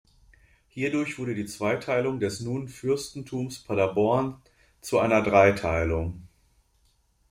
Hierdurch wurde die Zweiteilung des nun Fürstentums Paderborn zu einer Dreiteilung.